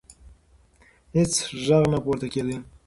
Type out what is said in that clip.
هیڅ غږ نه پورته کېده.